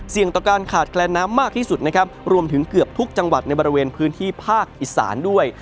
ต่อการขาดแคลนน้ำมากที่สุดนะครับรวมถึงเกือบทุกจังหวัดในบริเวณพื้นที่ภาคอีสานด้วย